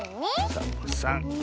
サボさん。